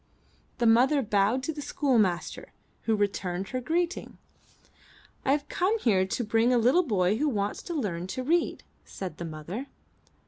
The mother bowed to the schoolmaster, who returned her greeting. *T have come here to bring a little boy who wants to learn to read,'* said the mother.